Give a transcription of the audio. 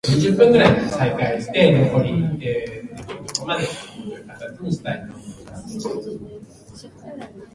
新宿は豪雨